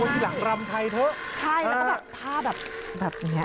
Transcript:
พี่หลังรำไทยเถอะใช่แล้วก็แบบภาพแบบแบบนี้